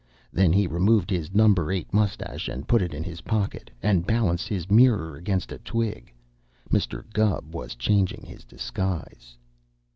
Then he removed his Number Eight mustache and put it in his pocket, and balanced his mirror against a twig. Mr. Gubb was changing his disguise.